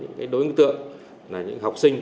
những đối tượng là những học sinh